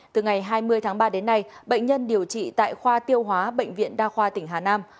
từ ngày hai mươi tháng ba đến nay bệnh nhân điều trị tại khoa tiêu hóa bệnh viện đa khoa tỉnh hà nam